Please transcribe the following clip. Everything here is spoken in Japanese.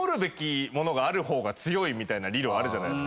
みたいな理論あるじゃない。